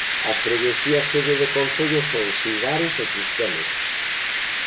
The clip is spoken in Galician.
As freguesías sede do concello son Silvares e Cristelos.